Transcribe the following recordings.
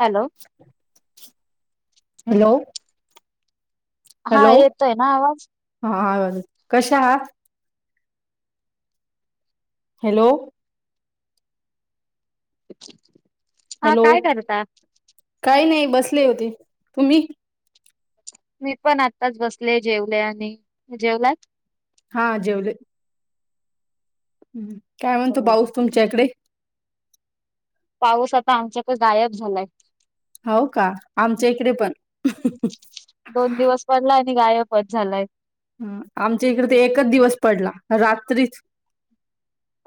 Hello hello हा hello येतोय आहे ना आवाज हा हा कशा आहात. हॅलो [inaudible] हा हॅलो काय करता काय नाही बसले होते. तुम्ही मी पण आत्ताच बसले. जेवले आणि जेवलात हा जेवले. हम् काय म्हणतो बरं पाऊस तुमच्या इकडे पाऊस आता आमच्याकडे गायब झालाय. हो व का आमच्या इकडे पण दोन दिवस पडला आणि गायबच झालाय. हम आमच्या इकडे तर ते एकच दिवस पडला. रात्रीच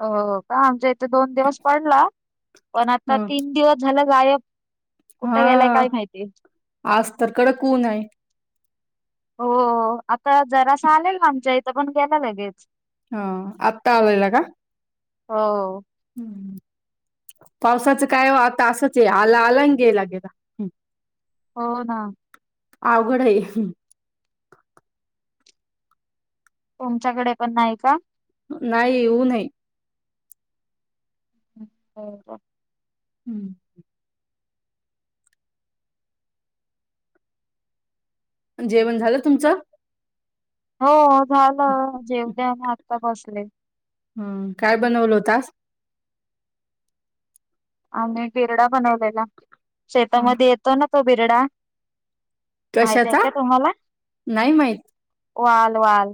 अ का आमच्या इथे दोन दिवस पडला, पण आता ह तीन दिवस झालं गायब हा कुठे गेलाय काय माहिती आज तर कडक ऊन आहे. हो आता जरा सा असं आलेल ना आमच्या इथं पण गेला लगेच. हा आत्ता आलायला का? हो. हम्म. पावसाचं काय आता असच ये आला आला आणि गेला गेला. हो ना. अवघड आहे. तुमच्याकडे पण नाही का? नाही ऊन आह. हो. हम्म. जेवण झालं तुमचं. हो झालं जेवले मग आत्ता बसले. हम् काय बनवल होत आज. आमी बिरडा बनवलेला. हं, शेतामध्ये येतो ना तो बिरडा. माहित आहे कशाचा? का तुम्हाला नाही माहित. वाल वाल?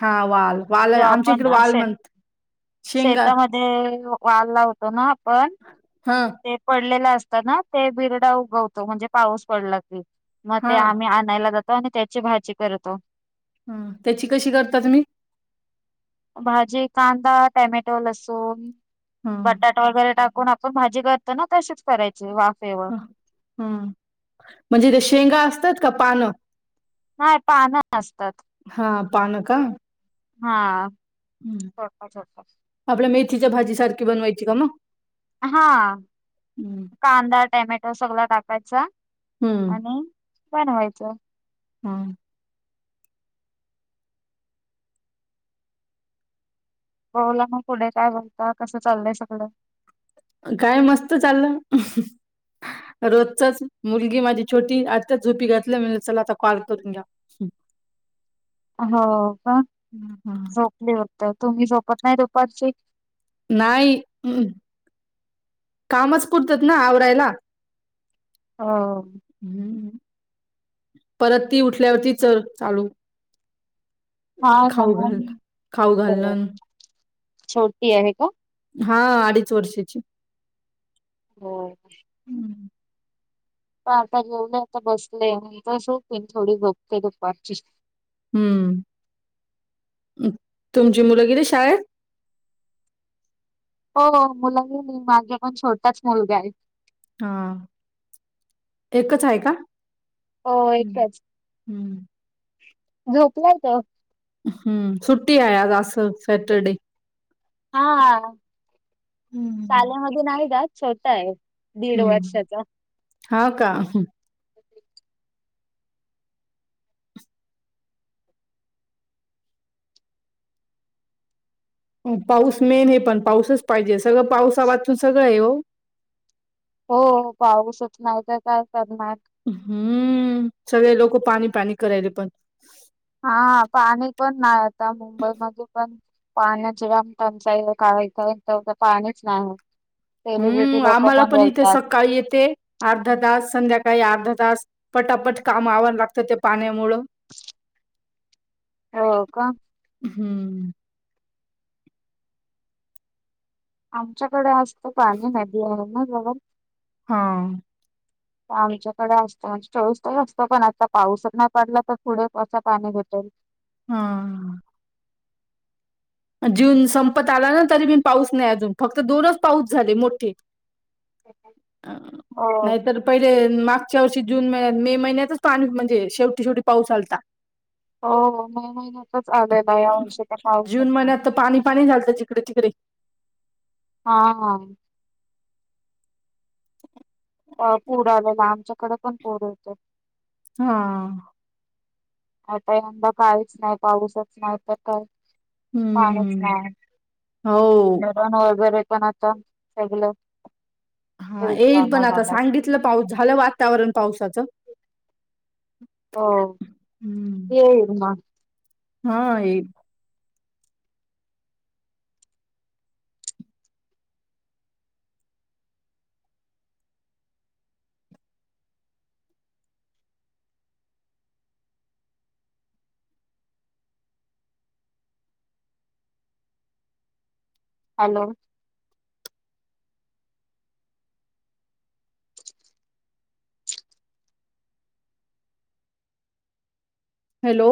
हा वाल वाल जो आमच्या इकडे आपण वाल म्हणत शेंगा ते वाल लावतो ना आपण हा. ते पडलेला असता ना ते बिरडा उगवतो म्हणजे पाऊस पडला की. मग ते हां, आम्ही आणायला जातो आणि त्याची भाजी करतो. हम त्याची कशी करता तुम्ही? भाजी, कांदा, टॅमॅटो, लसून, हं, बटाट, वगैरे टाकून आपण भाजी करतो ना तशीच करायची वाफे हम् म्हणजे ते शेंगा असतात का पानं नाही पानं असतात. हा पान का. हा हं. छोटे छोटे. आपल्या मेथीच्या भाजी सारखी बनवायची का मग? हा हं, कांदा, टॅमॅटो सगळा टाकायचा. हं, आणि बनवायचं हा बोला मग पुढे काय म्हणता कसं चाललंय सगळ? काय मस्त चाललं. रोजचच मुलगी माझी छोटी आत्ताच झोपी घातली म्हण चला आता कॉल करून घ्या. [inaudible] हो का झोपले होत. तुम्ही झोपत नाही दुपारची? नाही. कामच पुरतात ना आवरायला. हो. हम्म परत ती उठल्यावरती च चालू. हा ह खाऊ घाल खाऊ बरोब घालणं छोटी आहे का? हा अडीच वर्षाची. हो. हम्म. प आता जेवलंय आता बसले श होप थोडी गपते दुपारची. हम्म तुमची मुलं गेली शाळेत? हो मुल गेली माझा पण छोटाच मुलगा आहे. हा एकच आहे का? हो हम्म एकच. हम्म. झोपलाय तो. हम्म सुट्टी हाय आज अस सॅटरडे. हा हम्म. शालेमध्ये नाही जात छोटा आहे. दीड हम्म वर्षाचा. हा का? पाऊस मेन हे पण पाऊसच पाहिजे सगळं पावसा वाचून सगळं आहे हो. हो पाऊसच नाही तर काय करणार? हम्म सगळे लोक पाणी पाणी करायले पण. हा पाणी पण नाही आता मुंबईमध्ये पण. पाण्याची व आम त आमचा का इ ते पाणीच नाही. सेलिब्रिटी हम्म लोक आम्हाला पण इथे बोलतात सकाळी येते अर्धा तास संध्याकाळी अर्धा तास. पटापट काम आवरायला लागतात ते पाण्यामुळं. हो का. हम्म आमच्याकडे असत पाणी नदी आहे ना म्हणून हा. आमच्याकडे असतं म्हणजे चोवीस तास असतो पण आता पाऊस नाही पडला तर पुढे असं पाणी भेटेल? हा जून संपत आला ना तरी पीण पाऊस नाही अजून फक्त दोनच पाऊस झाले मोठे अ हो नाहीतर पहिले मागच्या वर्षी जून महिन्यात मे महिन्यातच पाणी म्हजे शेवटी शेवटी पाऊस आलता हो हो मे महिन्यातच आलेला या वर्षी काय पाऊसचं जून महिन्यात नाही पाणी पाणी झालतं जिकडे तिकडे हा हा अ पूड आलेला आमच्याकडे पण पूड येतो हा आता यंदा काहीच नाही पाऊसच नाही तर काय कायचं हम्म. नाही हो. पण वगैरे पण आता सगलं येईल पण आता सांगितलं पाऊस झालं वातावरण पावसाचं हो येईल मग हा येईल हॅलो हॅलो